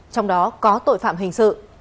trong đó có tội phạm hình sự